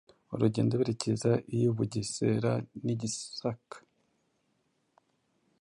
urugendo berekeza iy'i Bugesera n'i Gisaka.